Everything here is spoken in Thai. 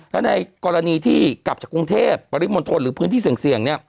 แล้วในกรณีที่กลับจากกรุงเทพปริมณฑลหรือพื้นที่เสี่ยง